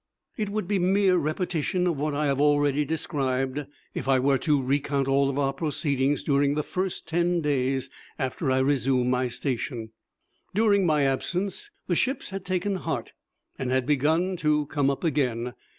It would be a mere repetition of what I have already described if I were to recount all our proceedings during that first ten days after I resumed my station. During my absence the ships had taken heart and had begun to come up again.